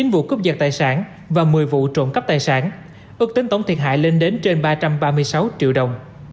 chín vụ cướp giật tài sản và một mươi vụ trộm cắp tài sản ước tính tổng thiệt hại lên đến trên ba trăm ba mươi sáu triệu đồng